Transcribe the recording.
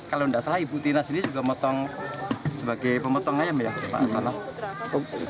kalau tidak salah ibu tina sendiri juga sebagai pemotong ayam ya pak